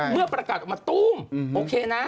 เมื่อประกาศออกมาตุ้มโอเคนะ